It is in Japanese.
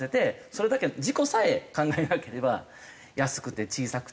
それだけ事故さえ考えなければ安くて小さくて。